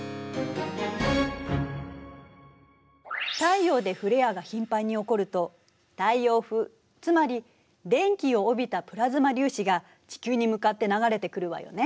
太陽でフレアが頻繁に起こると太陽風つまり電気を帯びたプラズマ粒子が地球に向かって流れてくるわよね。